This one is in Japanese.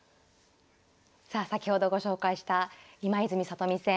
さあ先ほどご紹介した今泉・里見戦。